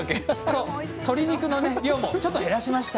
そう鶏肉のね量もちょっと減らしました。